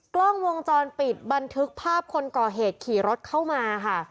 กล้องวงจรปิดบันทึกภาพคนก่อเหตุขี่รถเข้ามาค่ะ